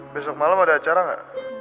besok malem ada acara gak